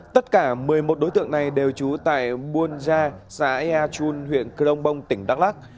tất cả một mươi một đối tượng này đều trú tại buôn gia xã ea chun huyện crong bông tỉnh đắk lắc